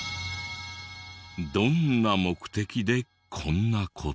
どんな目的でこんな事を？